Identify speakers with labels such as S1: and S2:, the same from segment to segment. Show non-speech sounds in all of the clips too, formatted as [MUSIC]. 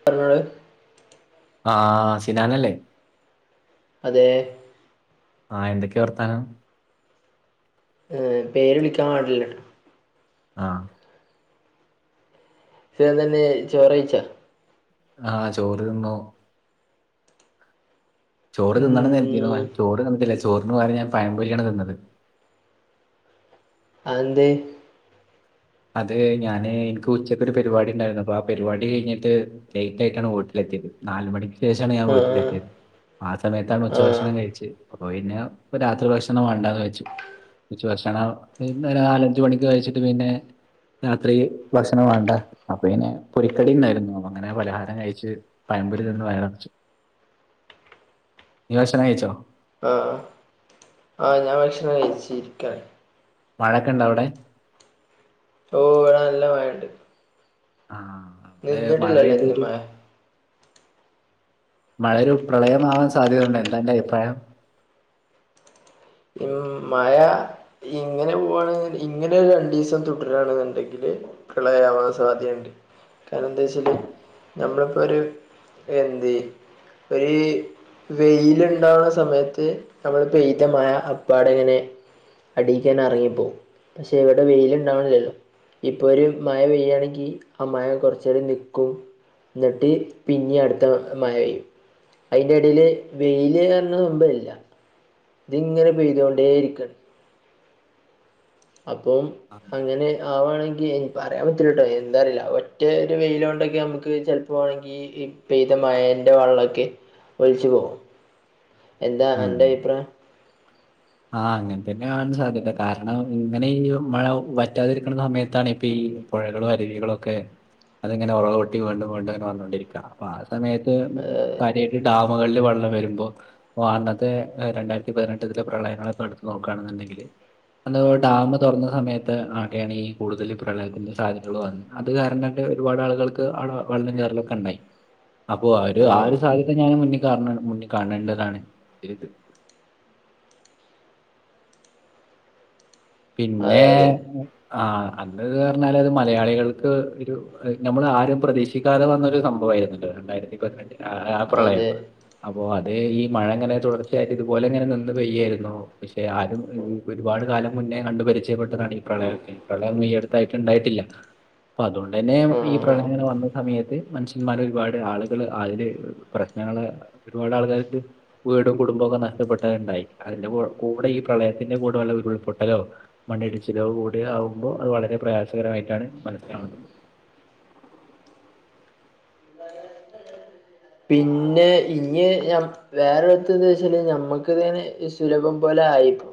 S1: [UNINTELLIGIBLE]
S2: ആഹ് സിനാദല്ലേ
S1: അതേ
S2: ആഹ് എന്തക്കെയാ വർത്താനം
S1: ഏഹ് പേര് വിളിക്കാൻ പാടില്ല ട്ടോ
S2: ആഹ്
S1: സുഖതന്നെ ചോറെയ്ച്ചാ
S2: ആഹ് ചോറ് ത് ന്നു ചോറ് തിന്നണം ന്ന് കെര് തീന്നു
S1: ഉം,
S2: ഞാൻ ചോറ് ത് ന്ന്ട്ട്ല്ല ചോറിന് പകരം ഞാൻ പഴം മ്പൊരിയാണ് തിന്നത്
S1: അതെന്തെ
S2: അത് ഞാന് ഇന്ക്ക് ഉച്ചക്ക് ര് പരിപാടി ഉണ്ടായിരുന്നു അപ്പൊ ആ പരിപാടി കഴിഞ്ഞിട്ട് ലേറ്റ് ആയിട്ടാണ് വീട്ടിലെത്തിയത് നാല് മണിക് ശേഷാണ് ഞാൻ
S1: ആ
S2: വീട്ടിലെത്തിയത് ആ സമയത്താണ്
S1: ആ
S2: ഉച്ചഭക്ഷണം കഴിച്ച് അപ്പൊ പിന്നെ ഇപ്പ രാത്രി ഭക്ഷണം വേണ്ടാന്ന് വെച്ചു ഉച്ച ഭക്ഷണം ങ്ങട്ട് നാലഞ്ച് മണിക്ക് കഴിച്ചിട്ട് പിന്നെ രാത്രി ഭക്ഷണം വേണ്ട അപ്പൊ പിന്നെ പൊരിക്കടി ണ്ടായിരുന്നു അങ്ങനെ പലഹാരം കഴിച്ച് പഴമ്പൊരി തിന്ന് വയററ്ച്ച് നീ ഭക്ഷണം കയ്ച്ചോ
S1: ആഹ് ആഹ് ഞാൻ ഭക്ഷണം രിക്കാ
S2: മഴക്കെ ണ്ട അവിടെ
S1: പ്പം വടെനല്ല മഴണ്ട്
S2: ആഹ് അവിടെ മഴ
S1: നിന്നിട്ടില്ലല്ലോ ഇന്ന്
S2: പെയ്തെരു
S1: മഴ
S2: മഴ രു ഒരു പ്രളയന്ന് വാൻ സാധ്യതയണ്ട എന്താ അന്റെ അയിപ്രായം
S1: ഉം മഴാ ഇങ്ങനെ പോവാണെങ്കിൽ ഇങ്ങനെ ഒരു രണ്ടീസം തുടരാണ്ന്ന്ണ്ടെങ്കില് പ്രളയ ആ വാൻ സാധ്യണ്ട് കാരണം എന്താ വെച്ചാല്
S2: ആ,
S1: നമ്മളിപ്പോ ഒരു എന്തേ ഒരു വെയിലുണ്ടാവ് ണ സമയത്ത് നമ്മള് പെയ്ത മഴ അപ്പാടെങ്ങനെ അടിക്കന്നെ ഇറങ്ങിപ്പോകും പക്ഷെ ഇവിടെ വെയിലുണ്ടാവ്ണില്ലല്ലോ ഇപ്പൊ ര് മഴ പെയ്യാണെങ്കി ആ മഴ കൊർച്ചേരം നിക്കും ന്നട്ട് പിന്നി അടുത്ത മാഴ യും അയിന്റെ എടീയില് വെയില് റ്ഞ്ഞ സമ്പ ഇല്ല ഇതിങ്ങനെ പെയ്തുകൊണ്ടേ ഇരിക്കാണ് അപ്പോ മ്
S2: ആ,
S1: അങ്ങനെ ആവാണെങ്കി നി പറയാൻ പറ്റില്ല കേട്ടോ എന്താറിയില്ല ഒറ്റ ഒരു ര് വെയിലോ ണ്ടൊക്കെ നമ്മക്ക് ചല്‌പ്പോവാണെങ്കി ഈ ഈ പെയ്ത മാഴന്റെ വള്ള ക്കെ ഒലിച്ച് പോവും എന്താ
S2: ഉം.
S1: അന്റെ അയിപ്രായം
S2: ആഹ് അങ്ങന്‌ തന്നെണ്സാധ്യല്ല കാരണം ഇങ്ങനെ ഈ മഴ വറ്റാതിരിക്കുന്ന സമയത്താണ് ഇപ്പൊ ഈ പുഴകളും അരുവികളും ഒക്കെ അത്ങ്ങനെ ഉറക് പൊട്ടി വീണ്ടും വീണ്ടു അങ്ങനെ വന്നോണ്ടിരിക്കാണ് അപ്പാ ആ സമയത്ത്
S1: അതെ
S2: കാര്യയിട്ട് ഡാമുകളില് വെള്ളം വരുമ്പോ പ്പോ അന്നത്തെ ഏഹ് രണ്ടായിരത്തി പതിനെട്ട് ലെ പ്രളയങ്ങളൊക്കെ എടുത്തു നോക്കുകയാണെന്നുണ്ടെങ്കില് അന്ന് ഡാം തുറന്ന സമയത്ത് ആ ടെ യാണ് ഈ കൂടുതൽ പ്രളയത്തിന്ന് സാധ്യതകൾ വന്ന് അത് കാരണം ട്ട് ഒരുപാട് ആളുകൾക്ക് ആവിടെ വെള്ളം ചാറലൊക്കെ ണ്ടായി അപ്പൊ ആര് ആ ഒരു സാധ്യത ഞാൻ മുന്നിൽ കാ മുന്നിൽ കാണേണ്ടതാണ്ത്
S1: അതെ
S2: പിന്നെ
S1: അതെ
S2: ആഹ് അന്ന്ത് പറഞ്ഞാൽ അത് മലയാളികൾക്ക് ഒരു നമ്മൾ ആരും പ്രതീക്ഷിക്കാതെ വന്നൊരു സംഭവയിരുന്ന് ട്ടോ രണ്ടായിരത്തി പതിനട്ടിൽ ആ ആപ്രളയം
S1: അതെ
S2: അപ്പോ അത് ഈ മഴങ്ങനെ തുടർച്ചയായിട്ട് ഇതുപോലെ ഇങ്ങനെ നിന്ന് പെയ്യായിരുന്നു പക്ഷെ ആരും ഒരുപാട് കാലം മുന്നേ കണ്ടു പരിചയപ്പെട്ടതാണ് ഈ പ്രളയ ക്കെ പ്രളയന്നും ഈ അടുത്തായിട്ട് ണ്ടായിട്ടില്ല അപ്പൊ അതുകൊണ്ട് തന്നെ
S1: ആ
S2: ഈ
S1: ആ.
S2: പ്രളയങ്ങനെ വന്ന സമയത്ത് മനുഷ്യന്മാര് ഒരുപാട് ആളുകൾ ആയില് പ്രക്നങ്ങള് ഒരുപാട് ആൾക്കാർക്ക് വീടും കുടുംബും ഒക്കെ നഷ്ടപ്പെട്ട ണ്ടായി അതിന്റെ കൂ കൂടെ ഈ പ്രളയത്തിന്റെ കൂടെ ഉള്ള ഉരുൾപ്പെ ട്ടലും മണ്ണിടിച്ചിലോ കൂടി ആകുമ്പോ അത് വളരെ പ്രയാസകരമായിട്ടാണ് മനസ്സിലാവുന്നത്
S1: പിന്നെ ഇഞ്ഞ് ഞാമ് വേറെത്ത് ന്താ വെച്ചാല് ഞമ്മക്ക് ഇങ്ങനെ ഈ സുലഭം പോലെ ആയേക്കും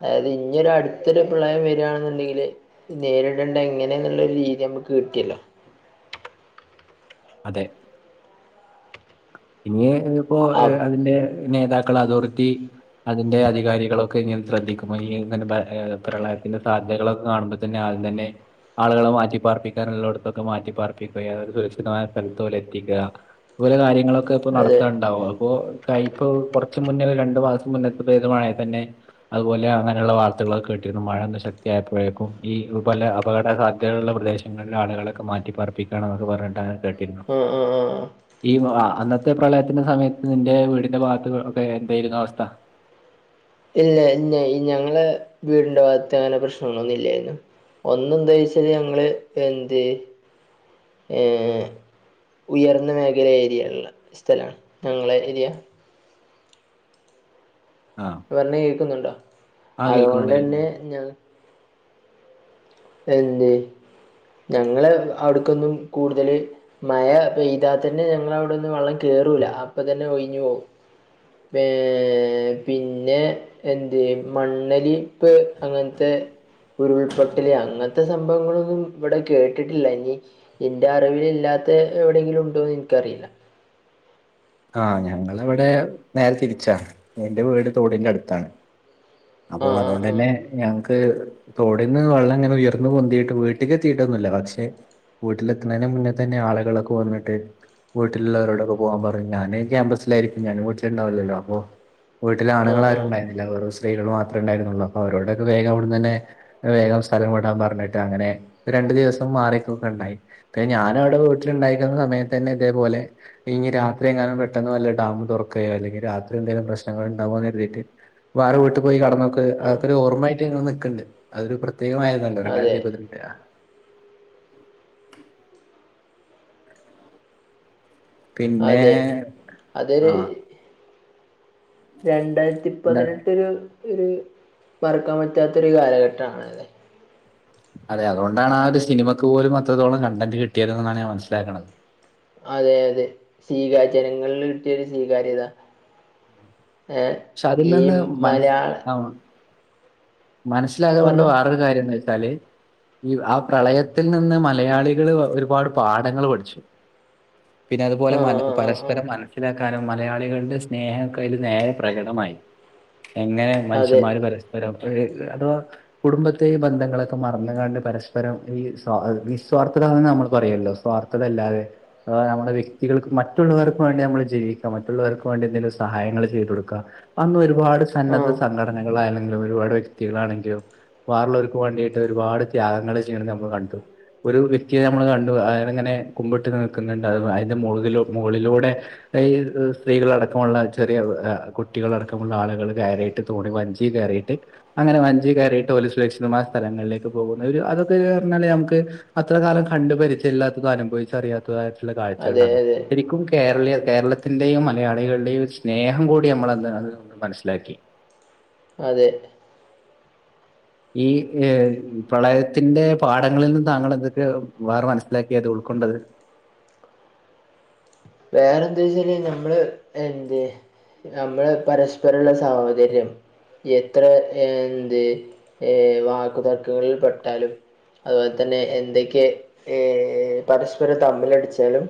S1: അതായത് ഇന്നെര് അടുത്തൊരു പ്രളയം വരാണ്ന്ന്ണ്ടെങ്കില് നേരിടേണ്ട എങ്ങനെയന്നുള്ളരു രീതി നമ്മുക്ക് കിട്ടിയല്ലോ
S2: അതെ ഇനി
S1: അ-
S2: ഇപ്പോഅതിന്റെ നേതാക്കൾ അതോറിറ്റി അതിന്റെ അധികാരികളൊക്കെ ഇങ്ങനെ ശ്രദ്ധിക്ക്പോ ഇനി ഇങ്ങനെ പ്രളയത്തിന്റെ സാധ്യതകളൊക്കെ കാണുമ്പോ തന്നെ ആദ്യം തന്നെ ആളുകളെ മാറ്റിപ്പാർപ്പിക്കാന നുള്ളോടത്തൊക്കെ മാറ്റിപ്പാർപ്പിക്കുക അ സുരക്ഷിതമായ സ്ഥലത്തോലെ എത്തിക്കുക ഓലെ കാര്യങ്ങളൊക്കെ ഇപ്പൊ
S1: അതെ
S2: നടത്ത്ണ്ണ്ടാവും അപ്പൊ തായിപ്പൊ കുറച്ച് മുന്നേ രണ്ടു മാസം മുന്നേത്തെ പെയ്ത മഴ തന്നെ അതുപോലെ അങ്ങനെയുള്ള വാർത്തകളൊക്കെ കേട്ടിട്ടും മഴൊന്ന് ശക്തിയപ്പോഴേക്കും ഈ പല അപകട സാധ്യതകളുള്ള പ്രദേശം ഇങ്ങനെള്ള ആളുകളൊക്കെ മാറ്റിപ്പാപ്പിക്കുകാണ് എന്നൊ പറഞ്ഞിട്ട അങ്ങനെ കേട്ടിരുന്നു
S1: ആഹ് ആഹ് ആഹ്
S2: ഈ അന്നത്തെ പ്രളയത്തിന്റെ സമയത്ത് നിന്റെ വീടിന്റെ ഭാഗത്ത് ഒക്കെ എന്തായിരുന്നു അവസ്ഥ
S1: ഇല്ല ഇ ഞങ്ങളെ വീടിന്റെ ഭാഗത്ത് അങ്ങനെ പ്രശ്നങ്ങളൊന്നുല്ലായിരുന്നു ഒന്ന് എന്തേച്ചല് ഞങ്ങള്ൾ എന്ത്യോ ഏ ഉയർന്ന മേഖല ഏരിയാണല്ലോ സ്ഥലമാണ് ഞങ്ങളെ ഏരിയ
S2: ആഹ്
S1: പറഞ്ഞത് കേക്കുന്നുണ്ടോ
S2: ആ കേൾക്കുന്നുണ്ട്
S1: അതുകൊണ്ട് ന്നെ
S2: കേൾക്കുന്നുണ്ട്.
S1: ഞ എന്തേ ഞങ്ങള് അവിടക്കൊന്നും കൂടുതല് മഴ പെയ്താ തന്നെ ഞങ്ങ അവിടൊന്ന് വെള്ളം കേറൂല അപ്പ തന്നെ ഒയിഞ് പോകും വേ പിന്നെ എന്ത് മണ്ണലിപ്പ് അങ്ങനത്തെ ഉരുൾപ്പൊ ല് അങ്ങനത്തെ സംഭവങ്ങളൊന്നും ഇവിടെ കേട്ടിട്ടില്ല ഇനി എന്റെ അറിവിലില്ലാത്ത എവിടെയെങ്കിലും ഉണ്ടോ എനിക്കറിയില്ല
S2: ആഹ് ഞങ്ങളവിടെ നേരെ തിരിച്ചാ എന്റെ വീട് തോടിന്റെ അടുത്താണ് അപ്പൊ
S1: ആ ആ ആ
S2: അതുകൊണ്ടന്നെ ഞങ്ങക്ക് തൊടിന്ന് വെള്ളം അങ്ങനെ ഉയർന്ന പൊന്തിട്ട് വീട്ട്ക്ക് എത്തിട്ടൊന്നുല്ല പക്ഷെ വീട്ടിലെത്ത്ണിൻ്റെ മുന്നെ തന്നെ ആളുകളൊക്കെ വന്നിട്ട് വീട്ടിലുള്ളവരോടൊക്കെ പോകാൻ പറഞ്ഞ ഞാന്ൻ ക്യാമ്പസിലായിരിക്കും ഞാൻ വീട്ടിലണ്ടാവില്ലല്ലോ അപ്പൊ വീട്ടില
S1: ആ
S2: ആണുങ്ങൾ
S1: ആ
S2: ആരുണ്ടായിരുല്ല ല്ല വെറും സ്ത്രീകൾ മാത്രേ ഉണ്ടായിരുന്നുള്ള അപ്പ അവരോൊക്കെ വേഗംവിടന്ന് തന്നെ വേഗം സ്ഥലം വിടാൻ പറഞ്ഞിട്ട് അങ്ങനെ രണ്ടു ദിവസം മാറിക്കൊ ഒക്കെ ഉണ്ടായി ഇപ്പ ഞാനും അവിടെ വീട്ടില ഉണ്ടായിരുന്ന സമയത്ത് തന്നെ ഇതേപോലെ ഇഞ്ഞി രാ ത്രി എങ്ങാനും പെട്ടെന്ന്ല്ല ഡാം തുറക്കയോ അല്ലെങ്കി രാത്രി എന്തെലും പ്രശ്നങ്ങൾണ്ടകോ ന്ന് കരുതിട്ട് വേറെ വീട്ട്ക്ക് പോയി കടന്നോക്കക്ക്
S1: ആ
S2: അതൊക്കൊരു ഓർമ്മമായിട്ട് ങ്ങനെ നിൽക്ണ്ട് അതൊരു പ്രത്യേകമായ അത്
S1: അതെ
S2: രണ്ടായിരത്തിപന്ത്രണ്ടിലേയാ പിന്നെ
S1: അതെ
S2: ആ
S1: അതൊരു രണ്ടായിരത്തി
S2: എന്താ
S1: പതിനെട്ട്ഒരു ഒരു മറക്കാൻ പറ്റാത്ത ഒരു കാലഘട്ടാണത്
S2: അതെ അതുകൊണ്ടാണ് ആ ഒരു സിനിമയ്ക്ക് പോലും അത്രത്തോളം കണ്ടന്റ് കിട്ടിയതെന്നാണ് ഞാൻ മനസ്സിലാക്കണത്
S1: അതെ അതെ സ്വീകാര്യ ജനങ്ങളിൽ കിട്ടിയരു സ്വീകാര്യതാ
S2: പക്ഷെ അതിൽ
S1: ഏഈ
S2: നിന്ന്
S1: മലയാള
S2: മനസ്സിലായത് കൊണ്ട്
S1: പറഞ്ഞോ
S2: വേറൊരു കാര്യം എന്ന് വച്ച വച്ചാല് ഈ ആ പ്രളയത്തിൽ നിന്ന് മലയാളികള് ഒരുപാട് പാഠങ്ങൾ പഠിച്ചു പിന്നെ അതുപോലെ മ
S1: ആഹ് ആഹ് ആഹ് ആഹ്
S2: പരസ്പരം മനസ്സി മനസ്സിലാക്കാനും മലയാളികളുടെ സ്നേഹക്കെ അയില് നേരെ പ്രകടമായി എങ്ങനെ
S1: അതെ
S2: മനുഷ്യന്മാര് പരസ്പരം ഒരു അഥവാ കുടുംബത്തെയും ബന്ധങ്ങളൊക്കെ മറന്നുകണ്ട് പരസ്പരം ഈ സ് വിസ്വാർത്ഥത ന്ന് നമ്മൾ പറയല്ലോ സ്വാർ തതല്ലാതെ നമ്മുടെ വ്യക്തികൾക്ക് മറ്റുള്ളവർക്ക് വേണ്ടി നമ്മള് ജീവിക്കാം മറ്റുള്ളവർക്ക് വേണ്ടി എന്തെങ്കിലും സഹായങ്ങൾ ചെയ്തു കൊടുക്കാ അന്ന് ഒരുപാട് സന്നദ്ധ
S1: ആഹ്
S2: സംഘടനകളായാലും ആല്ലെങ്കിലും ഒരുപാട് വ്യക്തികളാണെങ്കിലും വേറള്ളോൽക്ക് വേണ്ടിയിട്ട് ഒരുപാട് ത്യാഗങ്ങള്ൾ ചെയ്യണത് നമ്മൾ കണ്ടു ഒരു വ്യക്തിയെ നമ്മൾ കണ്ടു അയാളിങ്ങനെ കുമ്പിട്ട് നിൽക്കുന്നുണ്ട് അ അതിന്റെ മുകളില മുകളിലൂടെ ഈ സ്ത്രീകളടക്കമുള്ള ചെറിയ കുട്ടികളടക്കമുള്ള ആളുകൾ കയറിയിട്ട് തോണി വഞ്ചി കയറിയിട്ട് അങ്ങനെ വഞ്ചി കയറിയിട്ട് ഓല് സുരക്ഷിതമായ സ്ഥലങ്ങളിലേക്ക് പോകുന്ന ഒരു അതൊക്കെ പറഞ്ഞാല് നമുക്ക് അത്ര കാലം കണ്ട് പരിചയല്ലാത്തത് അനുഭവിച്ച് അറിയാത്തതായിട്ടുള്ള
S1: അതെ
S2: കാഴ്ചകളാണ്
S1: അതെ
S2: ശരിക്കും കേരളീയ കേരളത്തിന്റെയും മലയാളികളുടെയും സ്നേഹം കൂടി നമ്മളന്ന് മനസ്സിലാക്കി.
S1: അതെ
S2: ഈ പ്രളയത്തിന്റെ പാഠങ്ങളിൽ നിന്ന് താങ്കൾ എന്തൊക്കെ വേറെ മനസ്സിലാക്കിയത് ഉൾക്കൊണ്ടത്?
S1: വേറെന്താ വെച്ചാല് നമ്മള് എന്ത് നമ്മള് പരസ്പരമുള്ള സാഹോദര്യം എത്ര എന്ത് ഏ വാക്കുതർക്കങ്ങളിൽ പെട്ടാലും അതുപോലെ തന്നെ എന്തൊക്കെ പരസ്പരം തമ്മിലടിച്ചാലും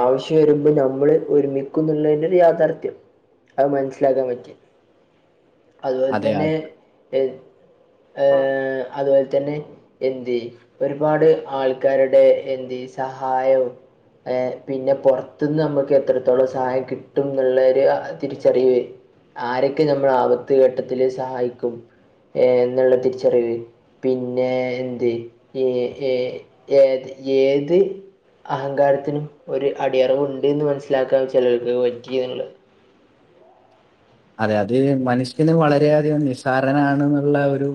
S1: ആവശ്യ വരുമ്പോ നമ്മള് ഒരുമിക്കുന്നുള്ളതിന്റെ ഒരു യാഥാർത്ഥ്യം അത് മനസ്സിലാക്കാൻ പറ്റി. അതുപോലെ
S2: അതെ
S1: തന്നെ ഏ ഏ അതുപോലെ തന്നെ എന്തി ഒരുപാട് ആൾക്കാരുടെ എന്ത് സഹായവും ഏഹ് പിന്നെ പുറത്തുന്ന് നമുക്ക് എത്രത്തോളം സഹായം കിട്ടും എന്നുള്ളരു തിരിച്ചറിവ്. ആരൊക്കെ നമ്മൾ ആപത്ത് ഘട്ടത്തിൽ സഹായിക്കും ഏ എന്നുള്ള തിരിച്ചറിവ്. പിന്നെ എന്ത് ഏ ഏ ഏത് ഏത് അഹങ്കാരത്തിനും ഒരു അടിയറവുണ്ട് എന്ന് മനസ്സിലാക്കാൻ ചിലർക്ക് പറ്റിയതുണ്ട്
S2: അതെ അത് മനുഷ്യന് വളരെയധികം നിസാരനണെന്നുള്ള ഒരു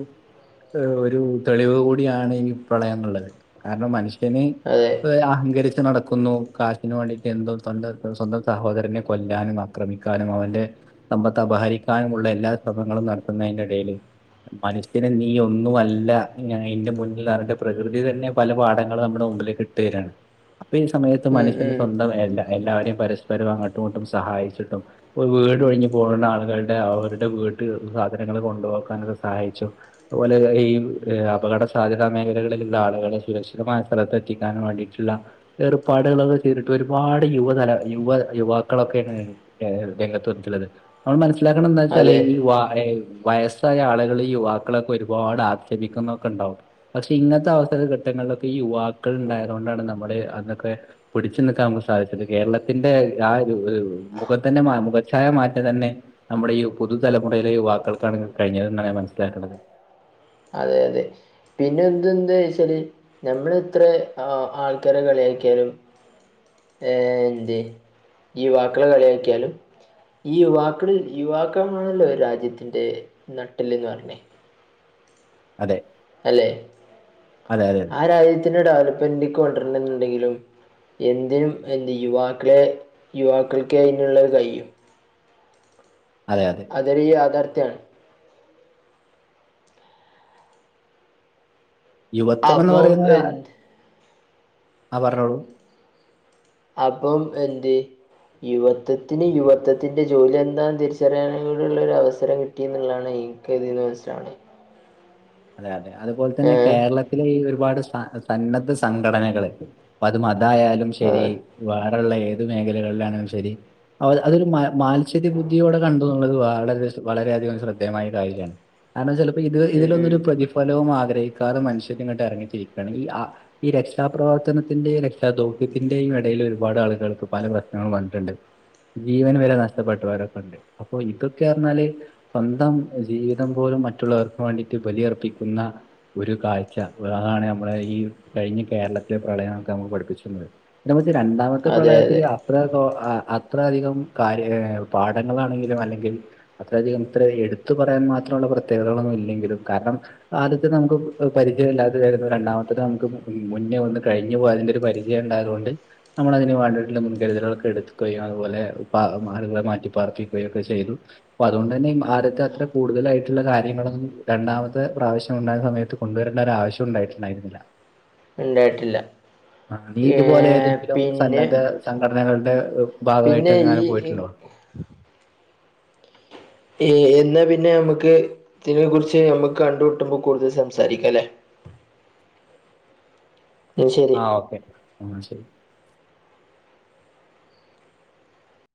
S2: ഒരു തെളിവ് കൂടിയാണ് ഇനി പ്രളയന്നുള്ളത് കാരണം മനുഷ്യ
S1: അതെ
S2: ഇപ്പോ അഹങ്കരിച്ച് നട കൊന്നു കാശിന് വേണ്ടിയിട്ട് എന്തോ സ്വന്ത സ്വന്തം സഹോദരനെ കൊല്ലാനും ആക്രമിക്കാനും അവന്റെ സമ്പത്ത് അപഹരിക്കാനുമുള്ള എല്ലാ ശ്രമങ്ങളും നടത്തുന്നതിന്റെ ഇടയില് മനുഷ്യന് നീ ഒന്നുമല്ല അവന്റെ മുന്നിൽ പ്രകൃതി തന്നെ പല പാഠങ്ങൾ നമ്മുടെ മുമ്പിലേക്ക് രാണ് അപ്പൊ ഈ സമയത്ത്
S1: ഉം
S2: മനുഷ്യന്
S1: ഉം
S2: സ്വന്തം വേണ്ട എല്ലാവരെയും പരസ്പരം അങ്ങോട്ടും ഇങ്ങോട്ടും സഹായിച്ചിട്ടും വീട് ഒഴിഞ്ഞ് പോകുന്ന ആളുകളുടെ അവരുടെ വീട്ടിൽ സാധനങ്ങള് കൊണ്ടുവെക്കാൻ അത് സഹായിച്ചു. അതുപോലെ ഈ അപകട സാധ്യതാ മേഖലകളിലുള്ള ആളുകളെ സുരക്ഷിതമായ സ്ഥലത്തെ എത്തിക്കാൻ വേണ്ടിയിട്ടുള്ള ഏർപ്പാടുകളൊക്കെ ചെയ്തിട്ട് ഒരുപാട് യുവതല യുവ യുവാക്കളൊക്കെ തന്ന ഏത് രംഗത്ത് വന്നിട്ടുള്ളത് നമ്മൾ മനസ്സിലാക്കണം എന്താ വെച്ചാല്
S1: അതെ
S2: ഈ വാ വയസ്സായ ആളുകൾ യുവാക്കളൊക്കെ ഒരുപാട് ആക്ഷേപിക്കുന്നൊക്കെ ഉണ്ടാവും. പക്ഷെ ഇങ്ങനത്തെ അവസര ഘട്ടങ്ങളിലൊക്കെ ഈ യുവാക്കൾ ഉണ്ടായതു കൊണ്ടാണ് നമ്മള് അന്നൊക്കെ പിടിച്ചു നിൽക്കാൻ നമുക്ക് സാധിച്ചത് കേരളത്തിന്റെ ആ മുഖത്തിന്റെ മുഖഛായ മാറ്റ തന്നെ നമ്മുടെ ഈ പുതുതലമുറയിലെ യുവാക്കുകൾക്കാണ് കഴിഞ്ഞതെന്നാണ് മനസ്സിലാക്കുന്നത്.
S1: അതെ അതെ. പിന്നെ എന്തെന്താ വെച്ചാല് നമ്മൾ ഇത്ര ആൾക്കാരെ കളിയാക്കിയാലും ഏഹ് എന്ത് യുവാക്കള് കളിയാക്കിയാലും ഈ യുവാക്കളിൽ യുവാക്കളണല്ലോ രാജ്യത്തിൻ്റെ നട്ടലന്ന് പറഞ്ഞേ.
S2: അതെ.
S1: അല്ലെ
S2: അതെ അതെ അതെ
S1: ആ രാജ്യത്തിന്റെ ഡെവലപ്മെന്റ്ലേക്ക് കൊണ്ടരെന്നുണ്ടെങ്കിലും എന്തിനും എന്ത് യുവാക്കളെ യുവാക്കൾക്ക് അതിനുള്ളത് കഴിയും.
S2: അതെ അതെ.
S1: അതരു യാഥാർത്ഥ്യമാണ്.
S2: യുവത്വം എന്ന്
S1: അപ്പം
S2: പറയുന്നത്
S1: എന്ത്
S2: ആ പറഞ്ഞോളൂ.
S1: അപ്പം എന്തേ യുവത്വത്തിന് യുവത്വത്തിന്റെ ജോലി എന്താെന്ന് തിരിച്ചറിയാനും കൂടിയുള്ള ഒരു അവസരം കിട്ടിയ എന്നുള്ളതാണ് കരിയറ് ബെസ്റ്റാണ്
S2: അതെ അതെ അതുപോലെ തന്നെ
S1: ഏ
S2: കേരളത്തിലെ ഈ ഒരുപാട് സ സന്നദ്ധ സംഘടനകള് അ അത് മതായാലും
S1: ആ
S2: ശരി വേറള്ള ഏതാ മേഖലകളിലാണെിലും ശരി അതൊരു മത്സര്യ ബുദ്ധിയോടെ കണ്ട എന്നുള്ളത് വള വളരെയധികം ശ്രദ്ധേമായ കാര്യമാണ് കാരണം ചിലപ്പോ ഇത്
S1: ഉം
S2: ഇതിലൊന്നരു
S1: ഉം
S2: ഫലവും ആഗ്രഹിക്കാതെ മനുഷ്യരി ഇങ്ങോട്ട് ഇറങ്ങി തിരിക്കയാണ് ഈ ഈ രക്ഷാപ്രവർത്തനത്തിന്റെയും രക്ഷാ ദൗത്യത്തിന്റെയും ഇടയിൽ ഒരുപാട് ആളുകൾക്ക് പല പ്രശ്നങ്ങളും വന്നിട്ടുണ്ട്. ജീവന് വരെ നഷ്ടപ്പെട്ടവരൊക്കെ ഉണ്ട് അപ്പൊ ഇതൊക്കെ പറഞ്ഞാല് സ്വന്തം ജീവിതം പോലും മറ്റുള്ളവർക്ക് വേണ്ടിട്ട് ബലിയർപ്പിക്കുന്ന ഒരു കാഴ്ച അതാണ് നമ്മളെ ഈ കഴിഞ്ഞ കേരളത്തിലെ പ്രളയങ്ങളൊക്കെ നമ്മക്ക്‌ പഠിപ്പിച്ചു തന്നത് ഇതമ്മക്ക് രണ്ടാമത്തെ
S1: അതെ
S2: പ്രളയത്തില്
S1: അതെ
S2: അത്ര തോ ആഹ് അത്ര അധികം കാര്യ ഏഹ് പാഠങ്ങളാണെങ്കിലും അല്ലെങ്കിൽ അത്രയധികം ഇത്ര എടുത്തു പറയാൻ മാത്രമുള്ള പ്രത്യേകതകളൊന്നും ഇല്ലെങ്കിലും കാരണം ആദ്യത്തെ നമുക്ക് പരിചയമില്ലാത്തതായിരുന്നു രണ്ടാമത്തെത് നമുക്ക് മുന്നേ വന്ന് കഴിഞ്ഞു പോയതിന്റെ ഒരു പരി യ്യണ്ടായതോണ്ട് നമ്മളതിന് വേണ്ടിയിട്ടുള്ള മുൻകരുതലുകളൊക്കെ എടുക്കുകയും അതുപോലെ പ മാളുകളെ മാറ്റി പാർപ്പിക്കുകയും ഒക്കെ ചെയ്തു അപ്പൊ അതുകൊണ്ട് തന്നെ ഈ ആദ്യത്തെ അത്ര കൂടുതലായിട്ടുള്ള കാര്യങ്ങളൊന്നും രണ്ടാമത്തെ പ്രാവശ്യം ഉണ്ടായ സമയത്ത് കൊണ്ടുവരേണ്ട ഒരാവശ്യം ഉണ്ടായിട്ടുണ്ടായിരുന്നില്ല.
S1: ഉണ്ടായിട്ടില്ല
S2: ആഹ് നീ
S1: ഏ
S2: ഇതുപോലെ ഏതെങ്കിലും
S1: പിന്നെ
S2: സന്നദ്ധ സംഘടനകളുടെ
S1: പിന്നെ
S2: ഭാഗമായിട്ടങ്ങാനും
S1: ഈ
S2: പോയിട്ടുണ്ടോ
S1: ഏഹ് എന്നാ പിന്നെ നമ്മുക്ക് ഇതിനെ കുറിച്ച് നമ്മുക്ക് കണ്ട് മുട്ടുമ്പോ കൂടുതൽ സംസാരിക്കാല്ലേ ഉം ശരി
S2: ആഹ് ഓക്കെ ആഹ് ശരി